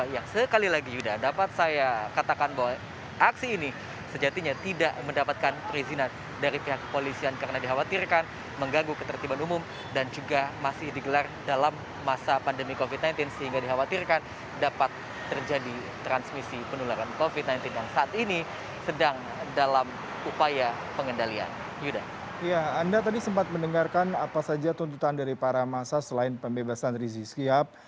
ya anda tadi sempat mendengarkan apa saja tuntutan dari para masa selain pembebasan risik sihab